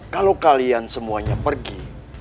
kalau kalian semuanya pergi